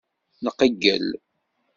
Nqeyyel.